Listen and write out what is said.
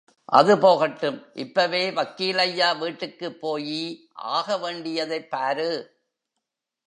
அது போகட்டும், இப்பவே வக்கீலையா வீட்டுக்குப் போயி ஆகவேண்டி யதைப் பாரு.